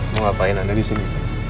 mau ngapain anda disini